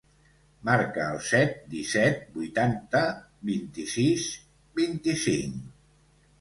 Marca el set, disset, vuitanta, vint-i-sis, vint-i-cinc.